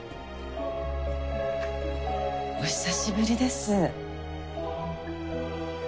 お久しぶりです。